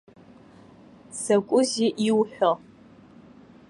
Закәызеи иуҳәо?!